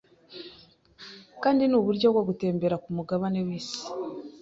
kandi nuburyo bwo gutembera kumugabane wisi